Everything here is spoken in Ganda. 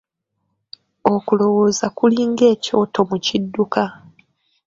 Okulowooza kuli ng'ekyoto mu kidduka.